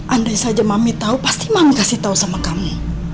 andai saja mami tahu pasti mami kasih tahu sama kamu